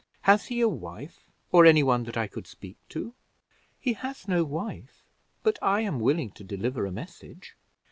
Has he a wife, or any one that I could speak to?" "He has no wife; but I am willing to deliver a message."